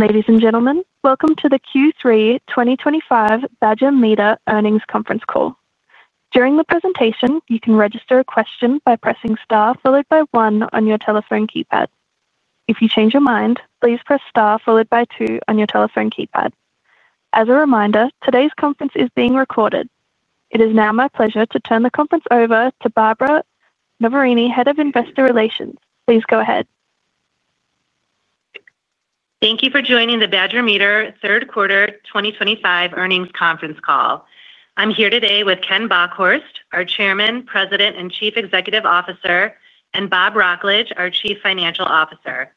Ladies and gentlemen, welcome to the Q3 2025 Badger Meter Earnings Conference call. During the presentation, you can register a question by pressing star followed by one on your telephone keypad. If you change your mind, please press star followed by two on your telephone keypad. As a reminder, today's conference is being recorded. It is now my pleasure to turn the conference over to Barbara Noverini, Head of Investor Relations. Please go ahead. Thank you for joining the Badger Meter Third Quarter 2025 Earnings Conference call. I'm here today with Ken Bockhorst, our Chairman, President and Chief Executive Officer, and Bob Wrocklage, our Chief Financial Officer.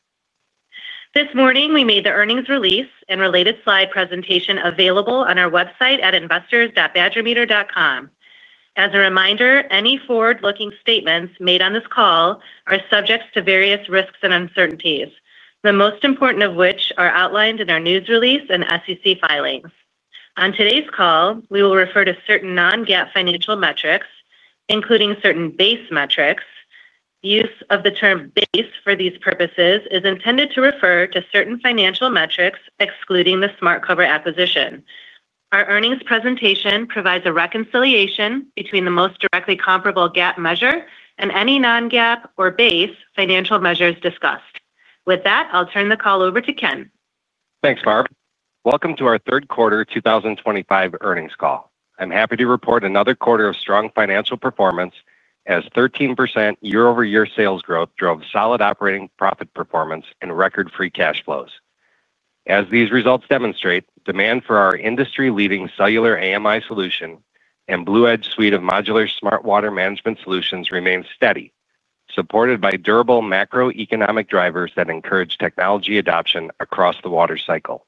This morning, we made the earnings release and related slide presentation available on our website at investors.badgermeter.com. As a reminder, any forward-looking statements made on this call are subject to various risks and uncertainties, the most important of which are outlined in our news release and SEC filings. On today's call, we will refer to certain non-GAAP financial metrics, including certain Base metrics. The use of the term Base for these purposes is intended to refer to certain financial metrics excluding the SmartCover acquisition. Our earnings presentation provides a reconciliation between the most directly comparable GAAP measure and any non-GAAP or Base financial measures discussed. With that, I'll turn the call over to Ken. Thanks, Barb. Welcome to our Third Quarter 2025 Earnings Call. I'm happy to report another quarter of strong financial performance, as 13% year-over-year sales growth drove solid operating profit performance and record free cash flows. As these results demonstrate, demand for our industry-leading cellular AMI solution and BlueEdge suite of modular smart water management solutions remains steady, supported by durable macroeconomic drivers that encourage technology adoption across the water cycle.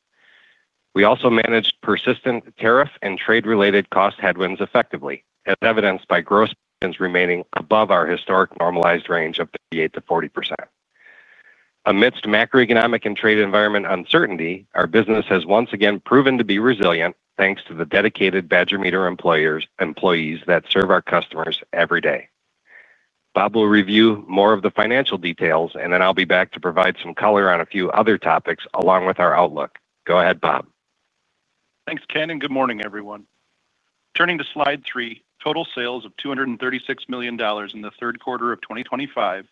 We also managed persistent tariff and trade-related cost headwinds effectively, as evidenced by gross earnings remaining above our historic normalized range of 38%-40%. Amidst macroeconomic and trade environment uncertainty, our business has once again proven to be resilient thanks to the dedicated Badger Meter employees that serve our customers every day. Bob will review more of the financial details, and then I'll be back to provide some color on a few other topics along with our outlook. Go ahead, Bob. Thanks, Ken, and good morning, everyone. Turning to slide three, total sales of $236 million in the third quarter of 2025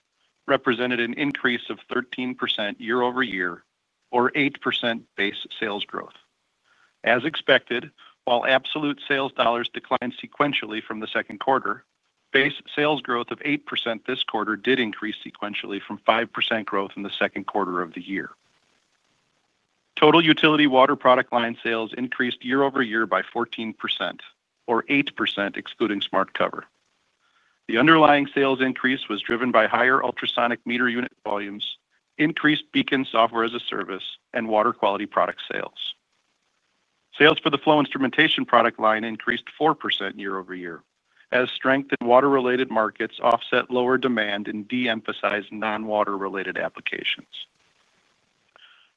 represented an increase of 13% year-over-year, or 8% Base sales growth. As expected, while absolute sales dollars declined sequentially from the second quarter, Base sales growth of 8% this quarter did increase sequentially from 5% growth in the second quarter of the year. Total utility water product line sales increased year-over-year by 14%, or 8% excluding SmartCover. The underlying sales increase was driven by higher ultrasonic meter unit volumes, increased BEACON SaaS, and water quality product sales. Sales for the flow instrumentation product line increased 4% year-over-year, as strength in water-related markets offset lower demand and de-emphasized non-water-related applications.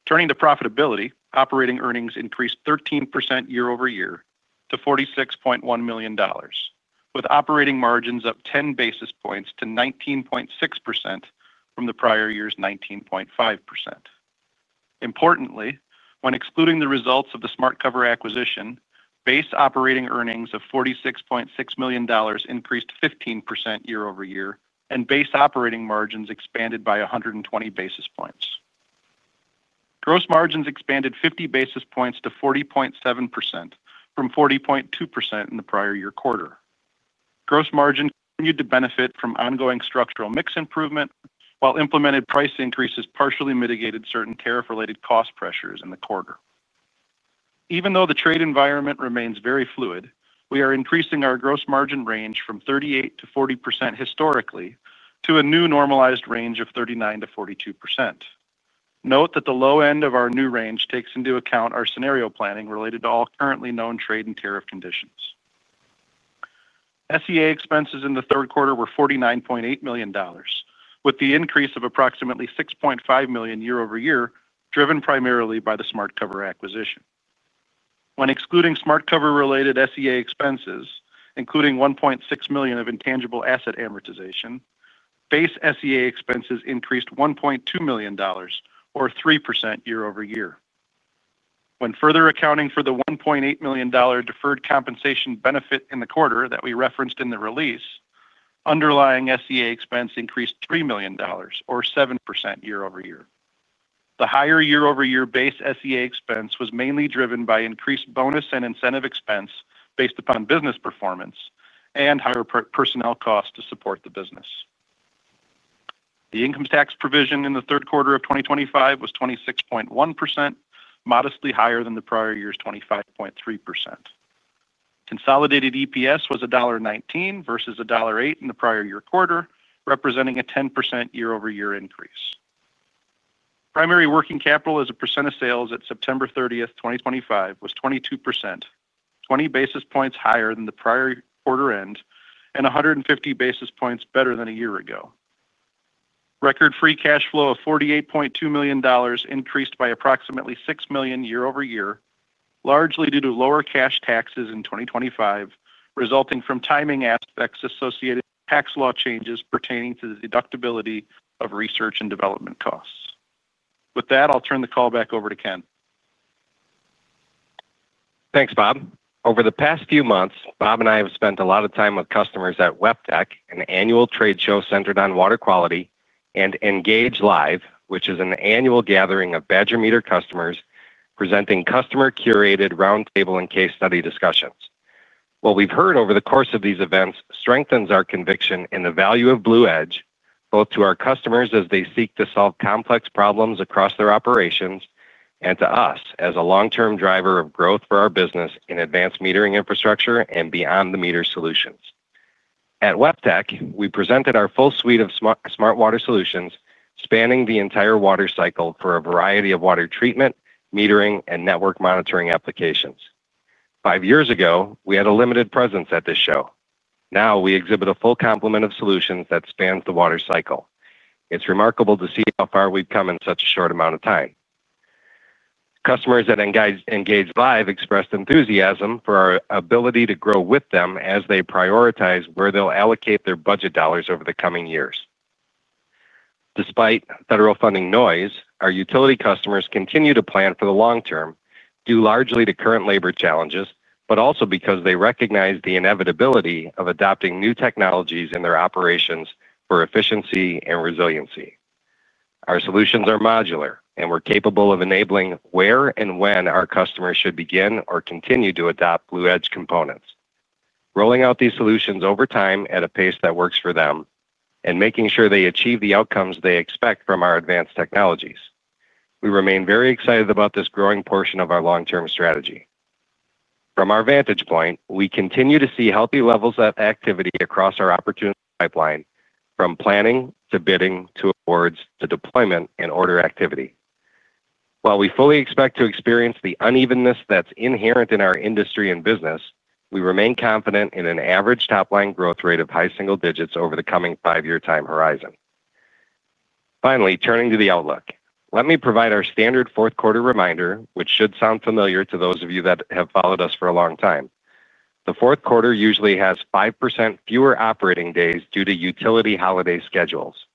Turning to profitability, operating earnings increased 13% year-over-year to $46.1 million, with operating margins up 10 basis points to 19.6% from the prior year's 19.5%. Importantly, when excluding the results of the SmartCover acquisition, Base operating earnings of $46.6 million increased 15% year-over-year, and Base operating margins expanded by 120 basis points. Gross margins expanded 50 basis points to 40.7% from 40.2% in the prior year quarter. Gross margin continued to benefit from ongoing structural mix improvement, while implemented price increases partially mitigated certain tariff-related cost pressures in the quarter. Even though the trade environment remains very fluid, we are increasing our gross margin range from 38%-40% historically to a new normalized range of 39%-42%. Note that the low end of our new range takes into account our scenario planning related to all currently known trade and tariff conditions. SEA expenses in the third quarter were $49.8 million, with the increase of approximately $6.5 million year-over-year driven primarily by the SmartCover acquisition. When excluding SmartCover-related SEA expenses, including $1.6 million of intangible asset amortization, Base SEA expenses increased $1.2 million, or 3% year-over-year. When further accounting for the $1.8 million deferred compensation benefit in the quarter that we referenced in the release, underlying SEA expense increased $3 million, or 7% year-over-year. The higher year-over-year Base SEA expense was mainly driven by increased bonus and incentive expense Based upon business performance and higher personnel costs to support the business. The income tax provision in the third quarter of 2025 was 26.1%, modestly higher than the prior year's 25.3%. Consolidated EPS was $1.19 versus $1.08 in the prior year quarter, representing a 10% year-over-year increase. Primary working capital as a percent of sales at September 30th, 2025 was 22%, 20 basis points higher than the prior quarter end, and 150 basis points better than a year ago. Record free cash flow of $48.2 million increased by approximately $6 million year-over-year, largely due to lower cash taxes in 2025, resulting from timing aspects associated with tax law changes pertaining to the deductibility of research and development costs. With that, I'll turn the call back over to Ken. Thanks, Bob. Over the past few months, Bob and I have spent a lot of time with customers at WEFTEC, an annual trade show centered on water quality, and ENGAGE Live, which is an annual gathering of Badger Meter customers presenting customer-curated roundtable and case study discussions. What we've heard over the course of these events strengthens our conviction in the value of BlueEdge, both to our customers as they seek to solve complex problems across their operations, and to us as a long-term driver of growth for our business in advanced metering infrastructure and beyond-the-meter solutions. At WEFTEC, we presented our full suite of smart water solutions spanning the entire water cycle for a variety of water treatment, metering, and network monitoring applications. Five years ago, we had a limited presence at this show. Now, we exhibit a full complement of solutions that span the water cycle. It's remarkable to see how far we've come in such a short amount of time. Customers at ENGAGE Live expressed enthusiasm for our ability to grow with them as they prioritize where they'll allocate their budget dollars over the coming years. Despite federal funding noise, our utility customers continue to plan for the long term, due largely to current labor challenges, but also because they recognize the inevitability of adopting new technologies in their operations for efficiency and resiliency. Our solutions are modular, and we're capable of enabling where and when our customers should begin or continue to adopt BlueEdge components, rolling out these solutions over time at a pace that works for them, and making sure they achieve the outcomes they expect from our advanced technologies. We remain very excited about this growing portion of our long-term strategy. From our vantage point, we continue to see healthy levels of activity across our opportunity pipeline, from planning to bidding to awards to deployment and order activity. While we fully expect to experience the unevenness that's inherent in our industry and business, we remain confident in an average top-line growth rate of high single digits over the coming five-year time horizon. Finally, turning to the outlook, let me provide our standard fourth quarter reminder, which should sound familiar to those of you that have followed us for a long time. The fourth quarter usually has 5% fewer operating days due to utility holiday schedules.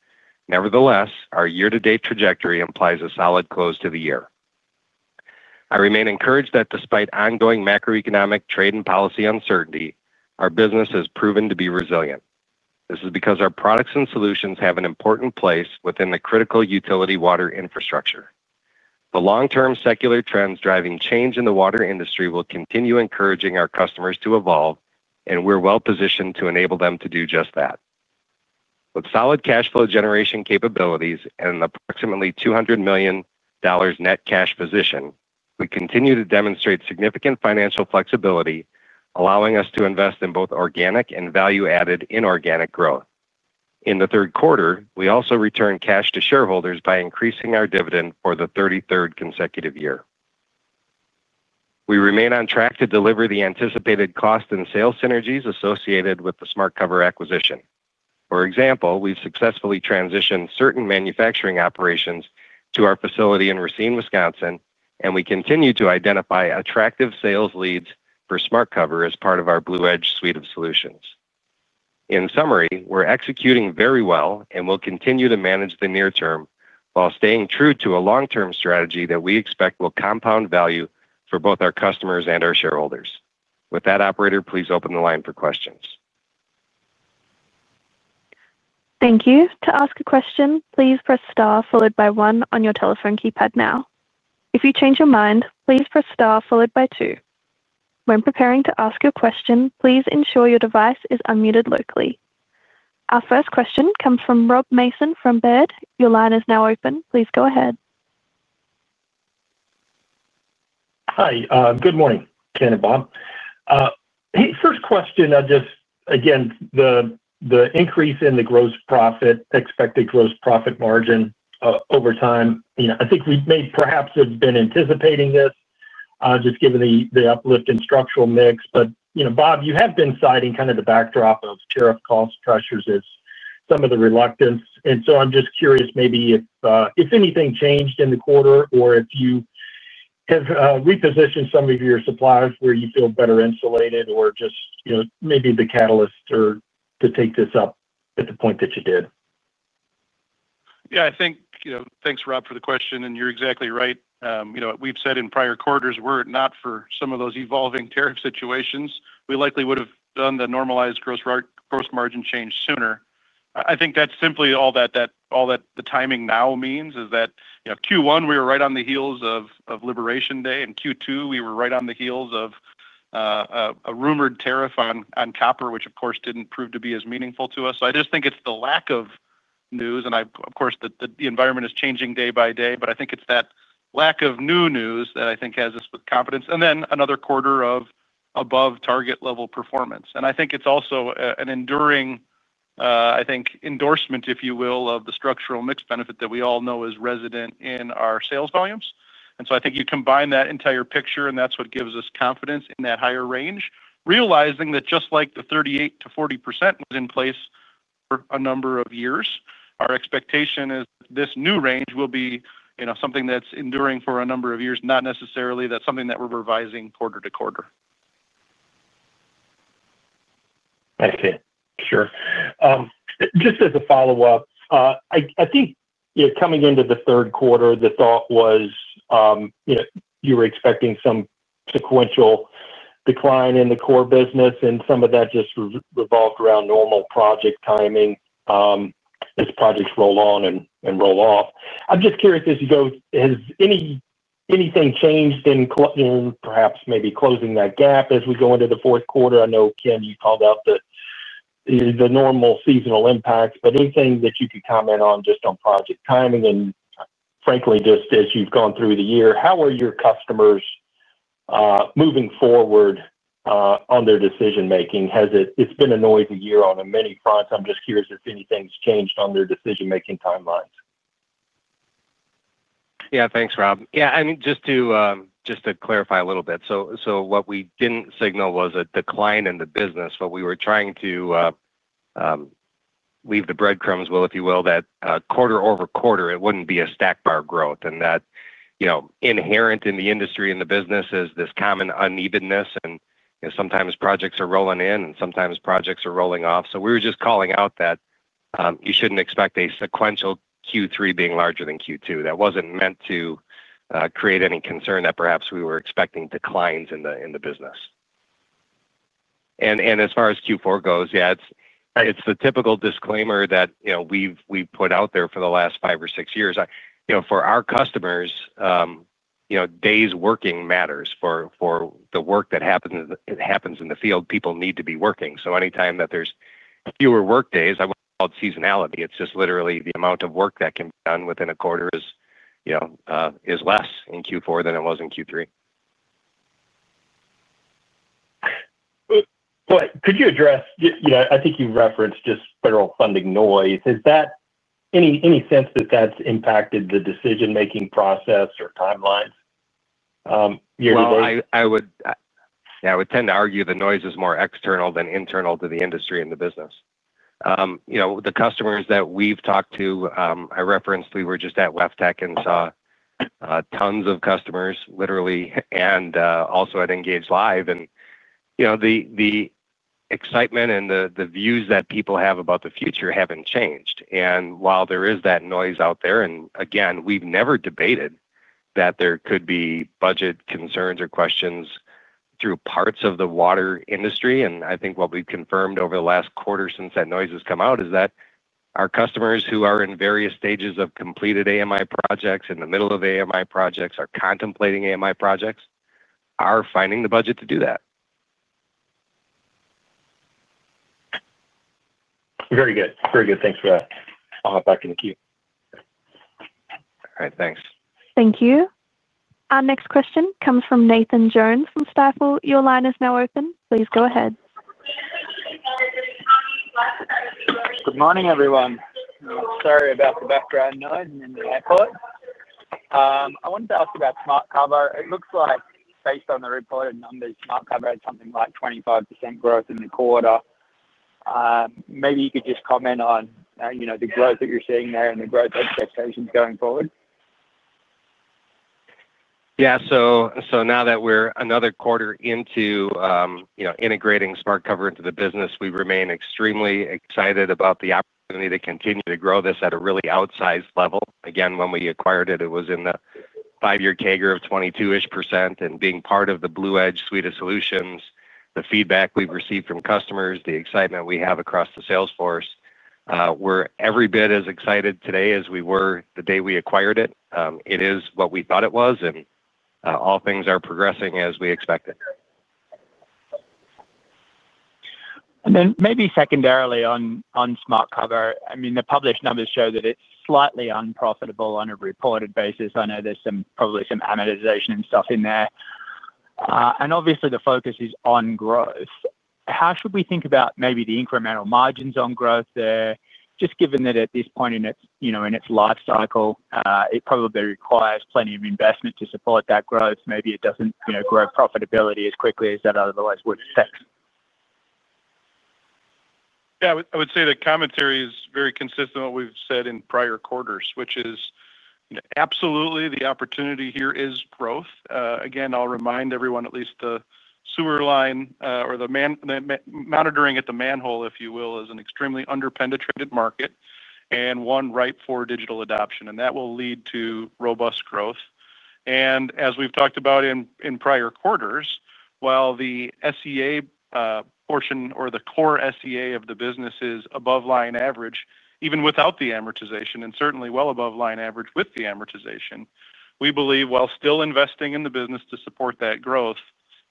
Nevertheless, our year-to-date trajectory implies a solid close to the year. I remain encouraged that despite ongoing macroeconomic trade and policy uncertainty, our business has proven to be resilient. This is because our products and solutions have an important place within the critical utility water infrastructure. The long-term secular trends driving change in the water industry will continue encouraging our customers to evolve, and we're well-positioned to enable them to do just that. With solid cash flow generation capabilities and an approximately $200 million net cash position, we continue to demonstrate significant financial flexibility, allowing us to invest in both organic and value-added inorganic growth. In the third quarter, we also return cash to shareholders by increasing our dividend for the 33rd consecutive year. We remain on track to deliver the anticipated cost and sales synergies associated with the SmartCover acquisition. For example, we've successfully transitioned certain manufacturing operations to our facility in Racine, Wisconsin, and we continue to identify attractive sales leads for SmartCover as part of our BlueEdge suite of solutions. In summary, we're executing very well, and we'll continue to manage the near term while staying true to a long-term strategy that we expect will compound value for both our customers and our shareholders. With that, operator, please open the line for questions. Thank you. To ask a question, please press star followed by one on your telephone keypad now. If you change your mind, please press star followed by two. When preparing to ask your question, please ensure your device is unmuted locally. Our first question comes from Robert Mason from Baird. Your line is now open. Please go ahead. Hi. Good morning, Ken and Bob. First question, I just again, the increase in the gross profit, expected gross profit margin over time, I think we may perhaps have been anticipating this, just given the uplift in structural mix. Bob, you have been citing kind of the backdrop of tariff cost pressures as some of the reluctance. I'm just curious, maybe if anything changed in the quarter or if you have repositioned some of your suppliers where you feel better insulated or maybe the catalyst to take this up at the point that you did. Yeah, I think, you know, thanks, Rob, for the question. You're exactly right. We've said in prior quarters were it not for some of those evolving tariff situations, we likely would have done the normalized gross margin change sooner. I think all that the timing now means is that Q1, we were right on the heels of Liberation Day, and Q2, we were right on the heels of a rumored tariff on copper, which, of course, didn't prove to be as meaningful to us. I just think it's the lack of news. Of course, the environment is changing day by day. I think it's that lack of new news that has us with confidence. Another quarter of above-target level performance is also an enduring endorsement, if you will, of the structural mix benefit that we all know is resident in our sales volumes. I think you combine that entire picture, and that's what gives us confidence in that higher range, realizing that just like the 38%-40% was in place for a number of years, our expectation is that this new range will be something that's enduring for a number of years, not necessarily something that we're revising quarter-to-quarter. I see. Just as a follow-up, I think, you know, coming into the third quarter, the thought was, you know, you were expecting some sequential decline in the core business, and some of that just revolved around normal project timing as projects roll on and roll off. I'm just curious, as you go, has anything changed in perhaps maybe closing that gap as we go into the fourth quarter? I know, Ken, you called out the normal seasonal impacts, but anything that you could comment on just on project timing? Frankly, just as you've gone through the year, how are your customers moving forward on their decision-making? It's been a noisy year on many fronts. I'm just curious if anything's changed on their decision-making timelines. Yeah, thanks, Rob. Just to clarify a little bit, what we didn't signal was a decline in the business, but we were trying to weave the breadcrumbs, if you will, that quarter over quarter, it wouldn't be a stack bar growth. Inherent in the industry and the business is this common unevenness. Sometimes projects are rolling in, and sometimes projects are rolling off. We were just calling out that you shouldn't expect a sequential Q3 being larger than Q2. That wasn't meant to create any concern that perhaps we were expecting declines in the business. As far as Q4 goes, it's the typical disclaimer that we've put out there for the last five or six years. For our customers, days working matters. For the work that happens in the field, people need to be working. Anytime that there's fewer workdays, I wouldn't call it seasonality. It's just literally the amount of work that can be done within a quarter is less in Q4 than it was in Q3. Could you address, you know, I think you referenced just federal funding noise. Is that any sense that that's impacted the decision-making process or timelines? Yeah, I would tend to argue the noise is more external than internal to the industry and the business. The customers that we've talked to, I referenced, we were just at WEFTEC and saw tons of customers, literally, and also at ENGAGE Live. The excitement and the views that people have about the future haven't changed. While there is that noise out there, we've never debated that there could be budget concerns or questions through parts of the water industry. I think what we've confirmed over the last quarter since that noise has come out is that our customers who are in various stages of completed advanced metering infrastructure projects, in the middle of advanced metering infrastructure projects, or contemplating advanced metering infrastructure projects, are finding the budget to do that. Very good. Very good. Thanks for that. I'll hop back in the queue. All right, thanks. Thank you. Our next question comes from Nathan Jones from Stifel. Your line is now open. Please go ahead. Good morning, everyone. Sorry about the background noise in the airport. I wanted to ask about SmartCover. It looks like, based on the reported numbers, SmartCover had something like 25% growth in the quarter. Maybe you could just comment on the growth that you're seeing there and the growth expectations going forward. Now that we're another quarter into integrating SmartCover into the business, we remain extremely excited about the opportunity to continue to grow this at a really outsized level. When we acquired it, it was in the five-year CAGR of 22%-ish or so. Being part of the BlueEdge suite of solutions, the feedback we've received from customers and the excitement we have across the sales force, we're every bit as excited today as we were the day we acquired it. It is what we thought it was, and all things are progressing as we expected. Maybe secondarily on SmartCover, I mean, the published numbers show that it's slightly unprofitable on a reported basis. I know there's probably some amortization and stuff in there. Obviously, the focus is on growth. How should we think about maybe the incremental margins on growth there? Just given that at this point in its lifecycle, it probably requires plenty of investment to support that growth. Maybe it doesn't grow profitability as quickly as that otherwise would expect. Yeah, I would say the commentary is very consistent with what we've said in prior quarters, which is, you know, absolutely, the opportunity here is growth. Again, I'll remind everyone, at least the sewer line or the monitoring at the manhole, if you will, is an extremely underpenetrated market and one ripe for digital adoption. That will lead to robust growth. As we've talked about in prior quarters, while the SEA portion or the core SEA of the business is above line average, even without the amortization and certainly well above line average with the amortization, we believe, while still investing in the business to support that growth,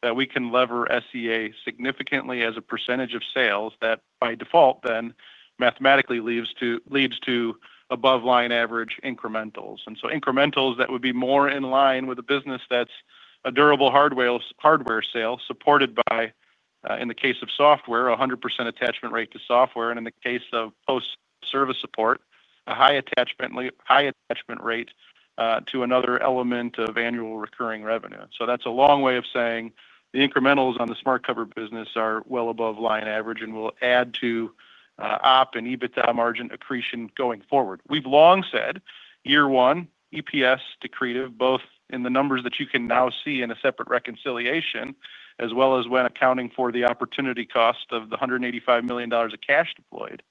that we can lever SEA significantly as a percentage of sales that, by default, then mathematically leads to above line average incrementals. Incrementals would be more in line with a business that's a durable hardware sale supported by, in the case of software, a 100% attachment rate to software. In the case of post-service support, a high attachment rate to another element of annual recurring revenue. That's a long way of saying the incrementals on the SmartCover business are well above line average and will add to op and EBITDA margin accretion going forward. We've long said year one, EPS to creative, both in the numbers that you can now see in a separate reconciliation, as well as when accounting for the opportunity cost of the $185 million of cash deployed.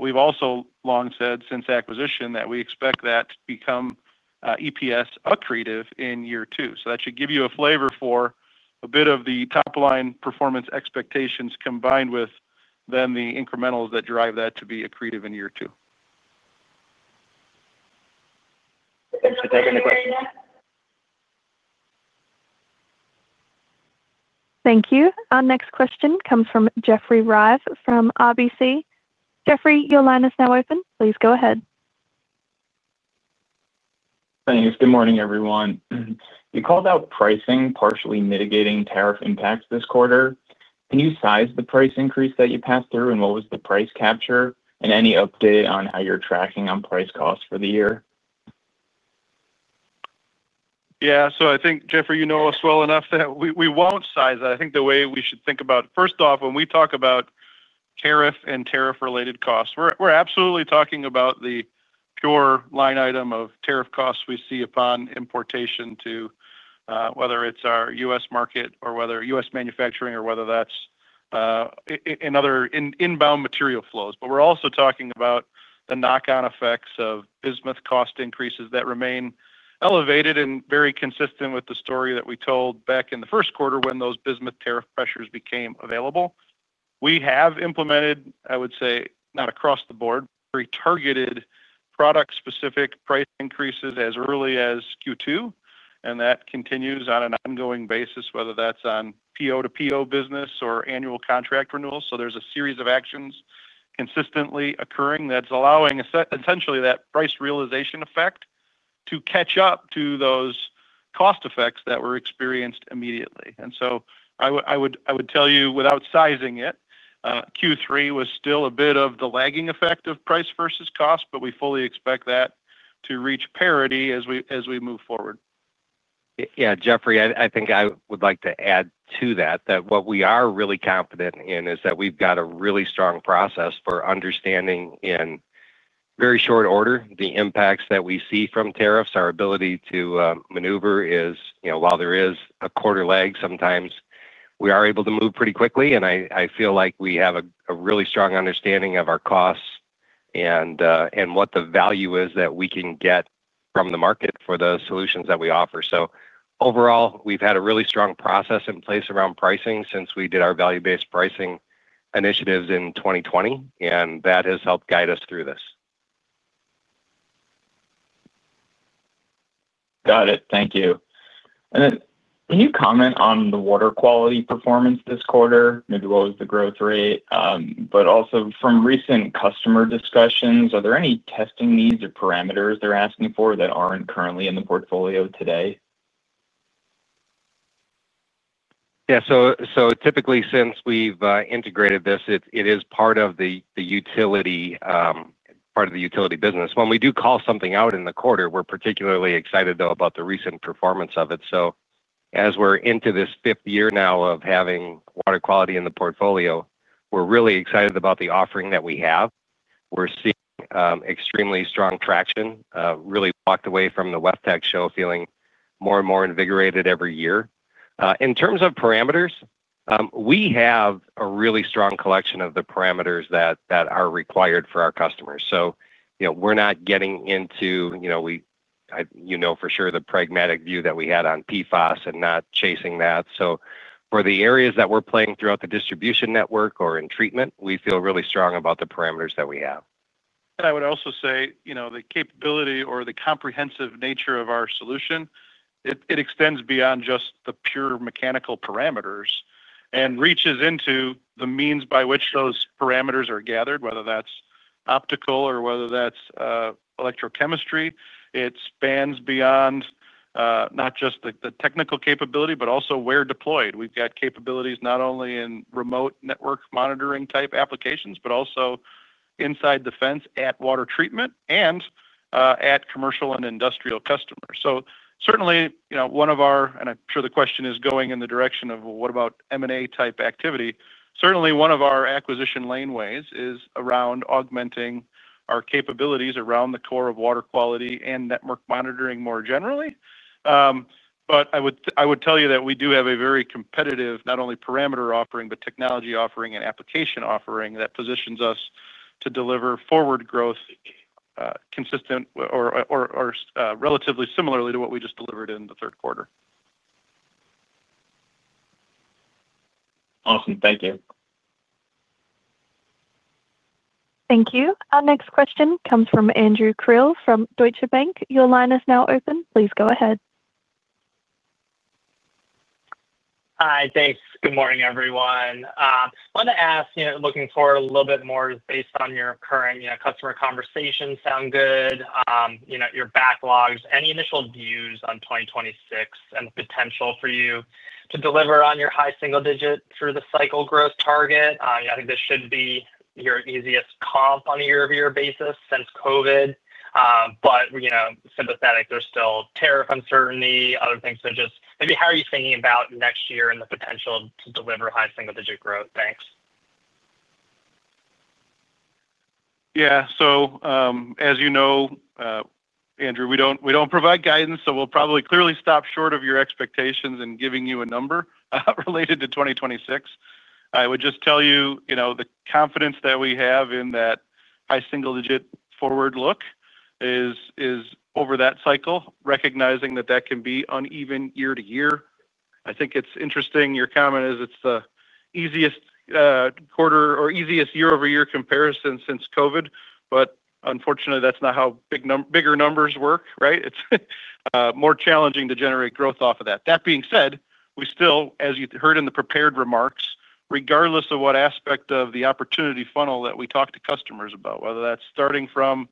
We've also long said since acquisition that we expect that to become EPS accretive in year two. That should give you a flavor for a bit of the top-line performance expectations combined with then the incrementals that drive that to be accretive in year two. Thanks for taking the question. Thank you. Our next question comes from Jeffrey Reive from RBC. Jeffrey, your line is now open. Please go ahead. Thanks. Good morning, everyone. You called out pricing partially mitigating tariff impacts this quarter. Can you size the price increase that you passed through, and what was the price capture, and any update on how you're tracking on price costs for the year? Yeah, I think, Jeffrey, you know us well enough that we won't size that. I think the way we should think about, first off, when we talk about tariff and tariff-related costs, we're absolutely talking about the pure line item of tariff costs we see upon importation to whether it's our U.S. market or whether U.S. manufacturing or whether that's in other inbound material flows. We're also talking about the knock-on effects of Bismuth cost increases that remain elevated and very consistent with the story that we told back in the first quarter when those Bismuth tariff pressures became available. We have implemented, I would say, not across the board, very targeted product-specific price increases as early as Q2. That continues on an ongoing basis, whether that's on PO-to-PO business or annual contract renewals. There's a series of actions consistently occurring that's allowing essentially that price realization effect to catch up to those cost effects that were experienced immediately. I would tell you, without sizing it, Q3 was still a bit of the lagging effect of price versus cost, but we fully expect that to reach parity as we move forward. Yeah, Jeffrey, I think I would like to add to that that what we are really confident in is that we've got a really strong process for understanding in very short order the impacts that we see from tariffs. Our ability to maneuver is, you know, while there is a quarter lag, sometimes we are able to move pretty quickly. I feel like we have a really strong understanding of our costs and what the value is that we can get from the market for the solutions that we offer. Overall, we've had a really strong process in place around pricing since we did our value-based pricing initiatives in 2020. That has helped guide us through this. Got it. Thank you. Can you comment on the water quality performance this quarter? Maybe what was the growth rate? Also, from recent customer discussions, are there any testing needs or parameters they're asking for that aren't currently in the portfolio today? Yeah, typically, since we've integrated this, it is part of the utility business. When we do call something out in the quarter, we're particularly excited, though, about the recent performance of it. As we're into this fifth year now of having water quality in the portfolio, we're really excited about the offering that we have. We're seeing extremely strong traction, really walked away from the WEFTEC show feeling more and more invigorated every year. In terms of parameters, we have a really strong collection of the parameters that are required for our customers. We're not getting into, you know, the pragmatic view that we had on PFAS and not chasing that. For the areas that we're playing throughout the distribution network or in treatment, we feel really strong about the parameters that we have. I would also say, you know, the capability or the comprehensive nature of our solution extends beyond just the pure mechanical parameters and reaches into the means by which those parameters are gathered, whether that's optical or whether that's electrochemistry. It spans beyond not just the technical capability, but also where deployed. We've got capabilities not only in remote network monitoring type applications, but also inside the fence at water treatment and at commercial and industrial customers. Certainly, you know, one of our, and I'm sure the question is going in the direction of, what about M&A type activity? Certainly, one of our acquisition laneways is around augmenting our capabilities around the core of water quality and network monitoring more generally. I would tell you that we do have a very competitive, not only parameter offering, but technology offering and application offering that positions us to deliver forward growth consistent or relatively similarly to what we just delivered in the third quarter. Awesome. Thank you. Thank you. Our next question comes from Andrew Krill from Deutsche Bank. Your line is now open. Please go ahead. Hi. Thanks. Good morning, everyone. I want to ask, looking forward a little bit more based on your current customer conversations. Your backlogs, any initial views on 2026 and the potential for you to deliver on your high single-digit through the cycle growth target? I think this should be your easiest comp on a year-over-year basis since COVID. I'm sympathetic, there's still tariff uncertainty, other things. Just maybe how are you thinking about next year and the potential to deliver high single-digit growth? Thanks. Yeah. As you know, Andrew, we don't provide guidance, so we'll probably clearly stop short of your expectations in giving you a number related to 2026. I would just tell you, the confidence that we have in that high single-digit forward look is over that cycle, recognizing that can be uneven year to year. I think it's interesting your comment is it's the easiest quarter or easiest year-over-year comparison since COVID. Unfortunately, that's not how bigger numbers work, right? It's more challenging to generate growth off of that. That being said, we still, as you heard in the prepared remarks, regardless of what aspect of the opportunity funnel that we talk to customers about, whether that's starting from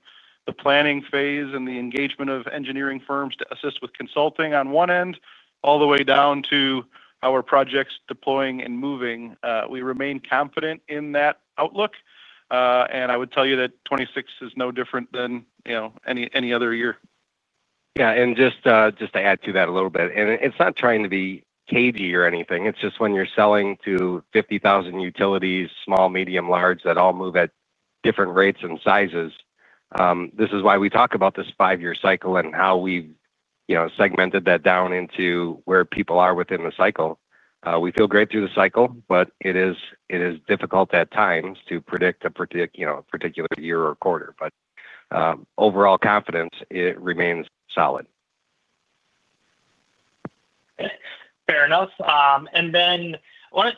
the planning phase and the engagement of engineering firms to assist with consulting on one end, all the way down to our projects deploying and moving, we remain confident in that outlook. I would tell you that 2026 is no different than any other year. Yeah, just to add to that a little bit, it's not trying to be cagey or anything. It's just when you're selling to 50,000 utilities, small, medium, large, that all move at different rates and sizes. This is why we talk about this five-year cycle and how we've segmented that down into where people are within the cycle. We feel great through the cycle, but it is difficult at times to predict a particular year or quarter. Overall confidence remains solid. Fair enough.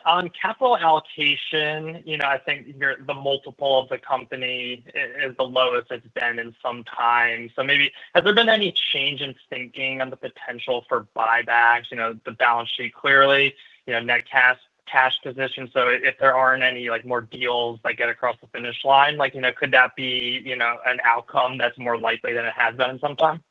On capital allocation, I think the multiple of the company is the lowest it's been in some time. Has there been any change in thinking on the potential for buybacks? The balance sheet clearly, net cash position. If there aren't any more deals that get across the finish line, could that be an outcome that's more likely than it has been in some time?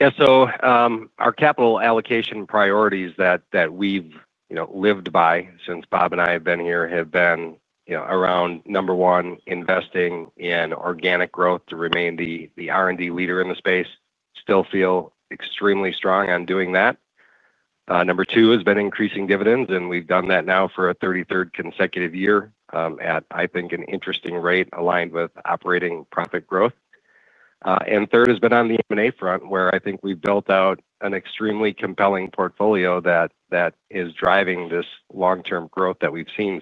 Yeah. Our capital allocation priorities that we've lived by since Bob and I have been here have been around, number one, investing in organic growth to remain the R&D leader in the space. Still feel extremely strong on doing that. Number two has been increasing dividends, and we've done that now for a 33rd consecutive year at, I think, an interesting rate aligned with operating profit growth. Third has been on the M&A front, where I think we've built out an extremely compelling portfolio that is driving this long-term growth that we've seen.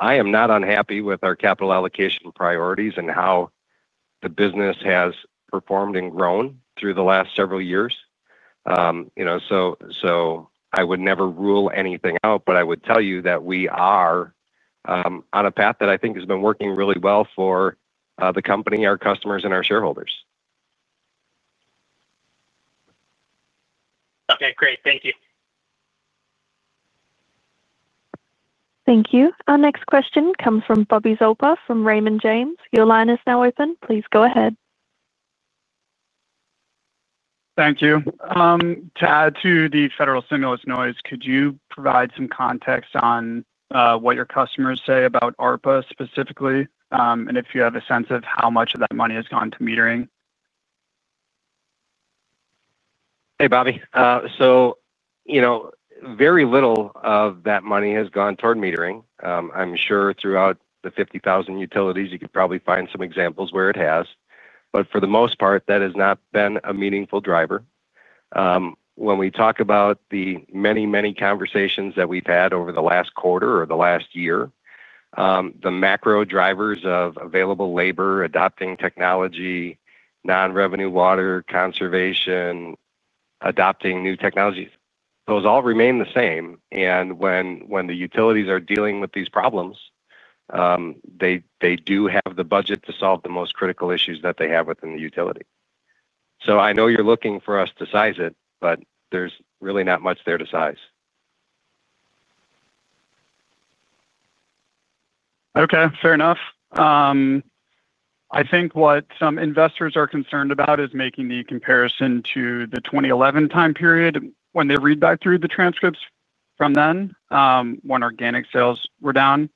I am not unhappy with our capital allocation priorities and how the business has performed and grown through the last several years. I would never rule anything out, but I would tell you that we are on a path that I think has been working really well for the company, our customers, and our shareholders. Okay. Great. Thank you. Thank you. Our next question comes from Bobby Zolper from Raymond James. Your line is now open. Please go ahead. Thank you. To add to the federal stimulus noise, could you provide some context on what your customers say about ARPA specifically, and if you have a sense of how much of that money has gone to metering? Hey, Bobby. Very little of that money has gone toward metering. I'm sure throughout the 50,000 utilities, you could probably find some examples where it has. For the most part, that has not been a meaningful driver. When we talk about the many, many conversations that we've had over the last quarter or the last year, the macro drivers of available labor, adopting technology, non-revenue water conservation, adopting new technologies, those all remain the same. When the utilities are dealing with these problems, they do have the budget to solve the most critical issues that they have within the utility. I know you're looking for us to size it, but there's really not much there to size. Okay. Fair enough. I think what some investors are concerned about is making the comparison to the 2011-time period when they read back through the transcripts from then, when organic sales were down.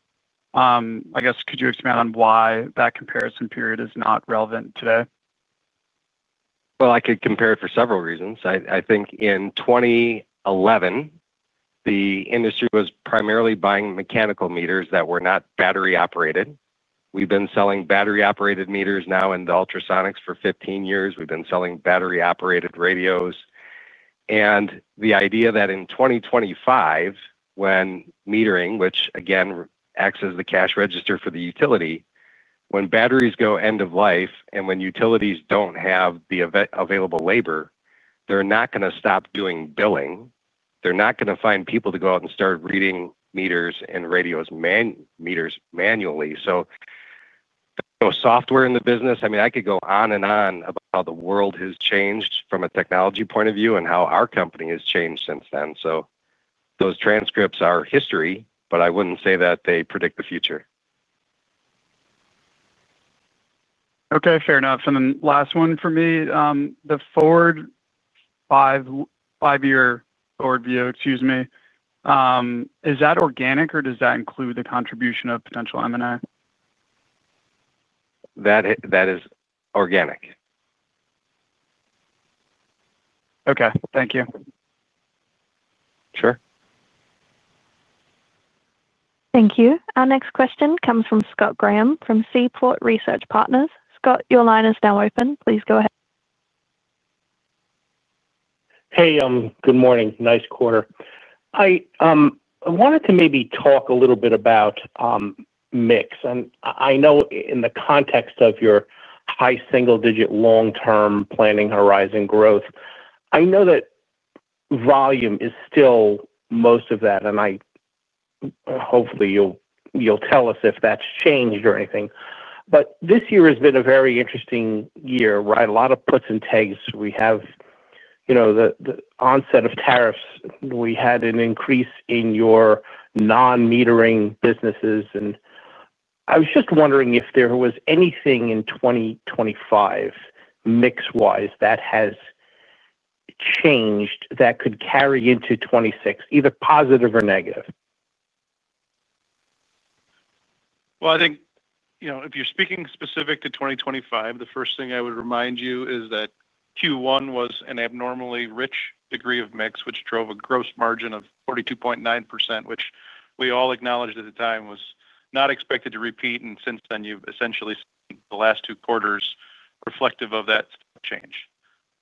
I guess, could you expand on why that comparison period is not relevant today? I could compare it for several reasons. I think in 2011, the industry was primarily buying mechanical meters that were not battery operated. We've been selling battery operated meters now in the ultrasonics for 15 years. We've been selling battery operated radios. The idea that in 2025, when metering, which again acts as the cash register for the utility, when batteries go end of life and when utilities don't have the available labor, they're not going to stop doing billing. They're not going to find people to go out and start reading meters and radios manually. There's no software in the business. I could go on and on about how the world has changed from a technology point of view and how our company has changed since then. Those transcripts are history, but I wouldn't say that they predict the future. Okay. Fair enough. The five-year forward view, excuse me, is that organic or does that include the contribution of potential M&A? That is organic. Okay, thank you. Sure. Thank you. Our next question comes from Scott Graham from Seaport Research Partners. Scott, your line is now open. Please go ahead. Hey, good morning. Nice quarter. I wanted to maybe talk a little bit about mix. I know in the context of your high single-digit long-term planning horizon growth, I know that volume is still most of that. Hopefully, you'll tell us if that's changed or anything. This year has been a very interesting year, right? A lot of puts and takes. We have the onset of tariffs. We had an increase in your non-metering businesses. I was just wondering if there was anything in 2025, mix-wise, that has changed that could carry into 2026, either positive or negative. If you're speaking specific to 2025, the first thing I would remind you is that Q1 was an abnormally rich degree of mix, which drove a gross margin of 42.9%, which we all acknowledged at the time was not expected to repeat. Since then, you've essentially seen the last two quarters reflective of that change.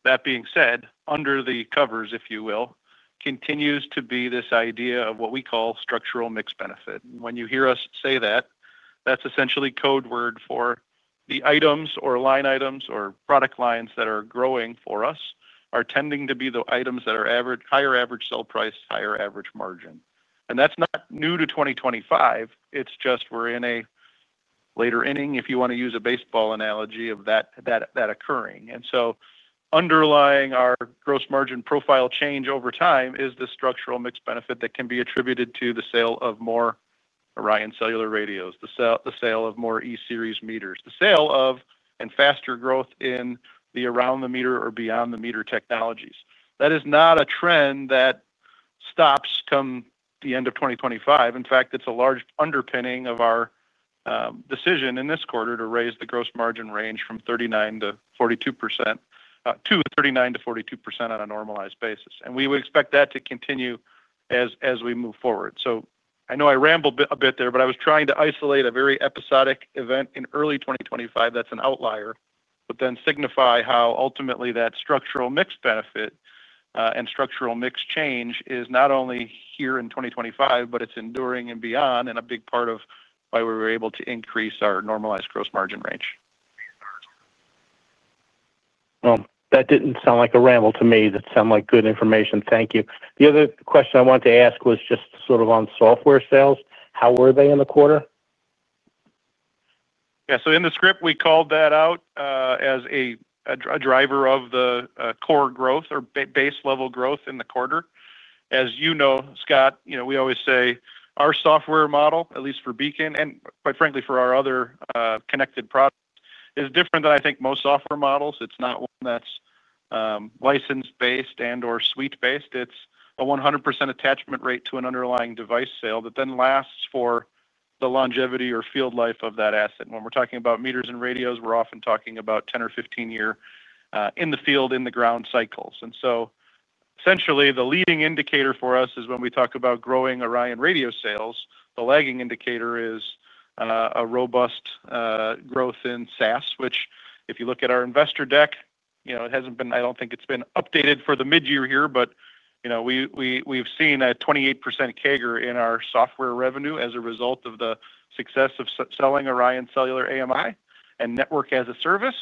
That being said, under the covers, if you will, continues to be this idea of what we call structural mix benefit. When you hear us say that, that's essentially code word for the items or line items or product lines that are growing for us are tending to be the items that are higher average sell price, higher average margin. That's not new to 2025. It's just we're in a later inning, if you want to use a baseball analogy of that occurring. Underlying our gross margin profile change over time is the structural mix benefit that can be attributed to the sale of more ORION cellular radios, the sale of more E-Series meters, the sale of and faster growth in the around-the-meter or beyond-the-meter technologies. That is not a trend that stops come the end of 2025. In fact, it's a large underpinning of our decision in this quarter to raise the gross margin range from 39%-42% to 39%-42% on a normalized basis. We would expect that to continue as we move forward. I know I rambled a bit there, but I was trying to isolate a very episodic event in early 2025 that's an outlier, but then signify how ultimately that structural mix benefit and structural mix change is not only here in 2025, but it's enduring and beyond and a big part of why we were able to increase our normalized gross margin range. That didn't sound like a ramble to me. That sounded like good information. Thank you. The other question I wanted to ask was just sort of on software sales. How were they in the quarter? Yeah. In the script, we called that out as a driver of the core growth or base-level growth in the quarter. As you know, Scott, we always say our software model, at least for Beacon and quite frankly for our other connected products, is different than I think most software models. It's not one that's license-based or suite-based. It's a 100% attachment rate to an underlying device sale that then lasts for the longevity or field life of that asset. When we're talking about meters and radios, we're often talking about 10 or 15-year in-the-field, in-the-ground cycles. Essentially, the leading indicator for us is when we talk about growing ORION radio sales, the lagging indicator is a robust growth in SaaS, which if you look at our investor deck, it hasn't been, I don't think it's been updated for the mid-year here, but we've seen a 28% CAGR in our software revenue as a result of the success of selling ORION cellular AMI and NaaS.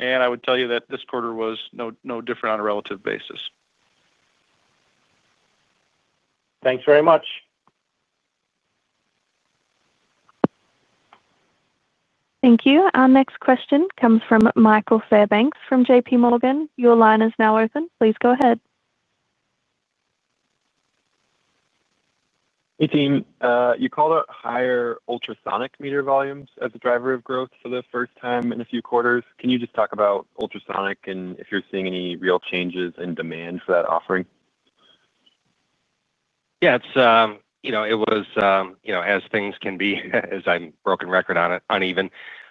I would tell you that this quarter was no different on a relative basis. Thanks very much. Thank you. Our next question comes from Michael Fairbanks from JPMorgan. Your line is now open. Please go ahead. Hey, team. You called out higher ultrasonic meter volumes as a driver of growth for the first time in a few quarters. Can you just talk about ultrasonic and if you're seeing any real changes in demand for that offering? Yeah, it was, as things can be, as I'm a broken record on it, uneven.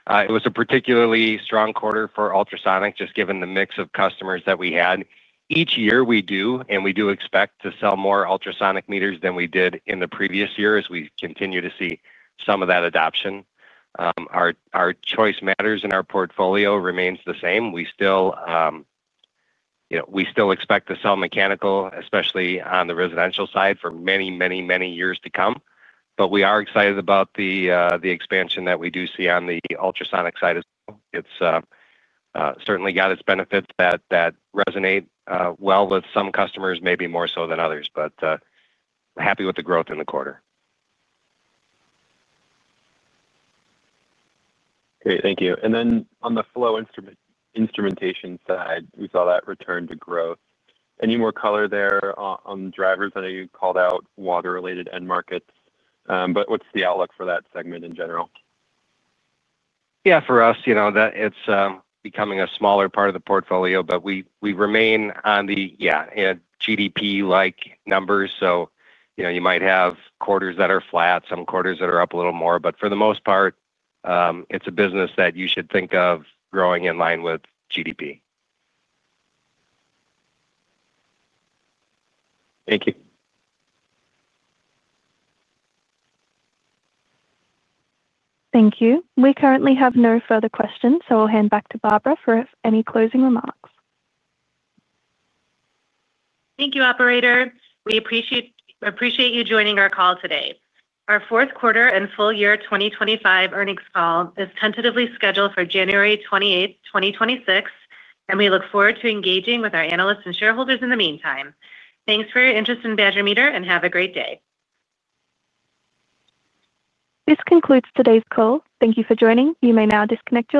It was a particularly strong quarter for ultrasonic, just given the mix of customers that we had. Each year, we do, and we do expect to sell more ultrasonic meters than we did in the previous year as we continue to see some of that adoption. Our choice matters in our portfolio remains the same. We still expect to sell mechanical, especially on the residential side for many, many, many years to come. We are excited about the expansion that we do see on the ultrasonic side as well. It's certainly got its benefits that resonate well with some customers, maybe more so than others. Happy with the growth in the quarter. Great. Thank you. On the flow instrumentation side, we saw that return to growth. Any more color there on the drivers? I know you called out water-related end markets, but what's the outlook for that segment in general? Yeah, for us, it's becoming a smaller part of the portfolio, but we remain on the GDP-like numbers. You might have quarters that are flat, some quarters that are up a little more. For the most part, it's a business that you should think of growing in line with GDP. Thank you. Thank you. We currently have no further questions, so I'll hand back to Barbara for any closing remarks. Thank you, operator. We appreciate you joining our call today. Our fourth quarter and full-year 2025 earnings call is tentatively scheduled for January 28th, 2026, and we look forward to engaging with our analysts and shareholders in the meantime. Thanks for your interest in Badger Meter and have a great day. This concludes today's call. Thank you for joining. You may now disconnect.